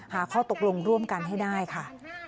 หาข้อตกลงร่วมกันให้ได้ค่ะ